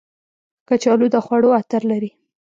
کچالو د خوړو عطر لري